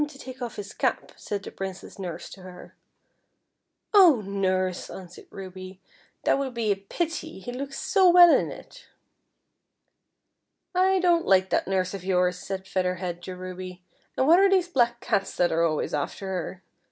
" Tell him to take off his cap," said the Princess' nurse to her. FEATHER HEAD. 220 " Oil, nurse !" answered Ruby, " tliat would be a i)it\', he looks so well in it." " I don't like that nurse of }'ours," said Feather Head to Ruby, " and what are these black cats that are always after her